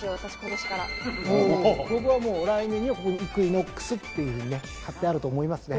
来年にはここにイクイノックスって張ってあると思いますね。